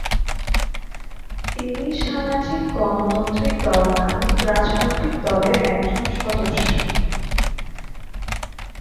তিনি সামাজিক গণতন্ত্রী দল নামক রাজনৈতিক দলের একজন সদস্য।